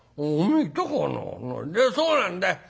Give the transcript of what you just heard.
でそうなんだい。